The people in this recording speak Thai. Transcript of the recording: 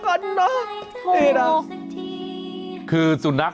โอ้โฮ